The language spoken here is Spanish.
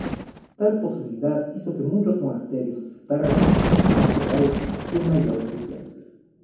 Tal posibilidad hizo que muchos monasterios aceptaran la confiscación real sin mayor resistencia.